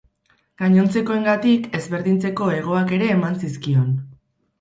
Gainontzekoengatik ezberdintzeko hegoak ere eman zizkion.